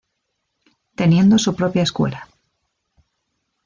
Teniendo su propia escuela.